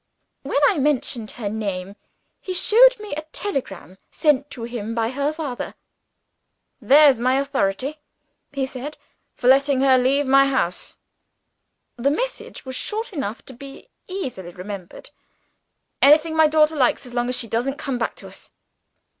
When I mentioned her name, he showed me a telegram, sent to him by her father. 'There's my authority,' he said, 'for letting her leave my house.' The message was short enough to be easily remembered: 'Anything my daughter likes as long as she doesn't come back to us.